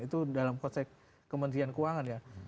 itu dalam konsep kementerian keuangan ya